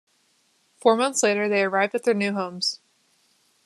Four months later, they arrived at their new homes.